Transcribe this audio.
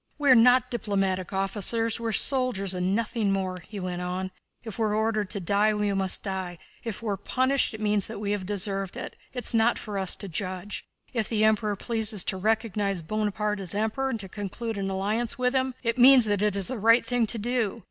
"We are not diplomatic officials, we are soldiers and nothing more," he went on. "If we are ordered to die, we must die. If we're punished, it means that we have deserved it, it's not for us to judge. If the Emperor pleases to recognize Bonaparte as Emperor and to conclude an alliance with him, it means that that is the right thing to do.